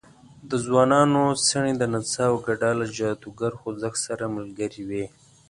د ځوانانو څڼې د نڅا او ګډا له جادوګر خوځښت سره ملګرې وې.